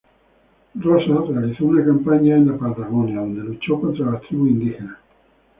Rosas realizó una campaña en la Patagonia, donde luchó contra las tribus indígenas.